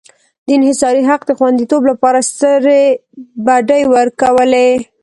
د انحصاري حق د خوندیتوب لپاره سترې بډې ورکولې.